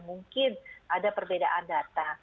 mungkin ada perbedaan data